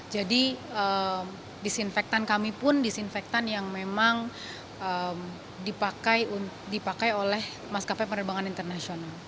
jadi disinfektan kami pun disinfektan yang memang dipakai oleh maskafe penerbangan internasional